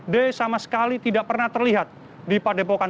d sama sekali tidak pernah terlihat di padepokan